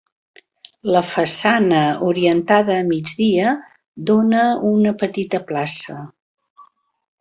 La façana orientada a migdia, dóna una petita plaça.